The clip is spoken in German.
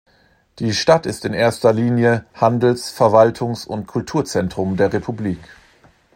Die Stadt ist in erster Linie Handels-, Verwaltungs- und Kulturzentrum der Republik.